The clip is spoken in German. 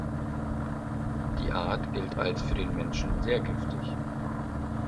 Die Art gilt als für den Menschen sehr giftig.